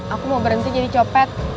aku mau berhenti jadi copet